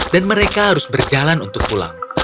dan mereka harus berjalan ke rumah